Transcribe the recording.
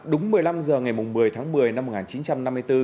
đúng một mươi năm h ngày một mươi tháng một mươi năm một nghìn chín trăm chín mươi